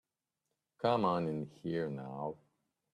Come on in here now.